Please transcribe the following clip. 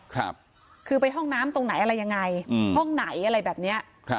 คือไปห้องน้ำตรงไหนอะไรยังไงอืมห้องไหนอะไรแบบเนี้ยครับ